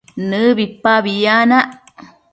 nëbipabi yanac